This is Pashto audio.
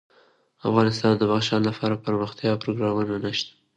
افغانستان کې د بدخشان لپاره دپرمختیا پروګرامونه شته.